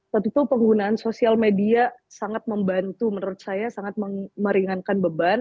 waktu itu penggunaan sosial media sangat membantu menurut saya sangat meringankan beban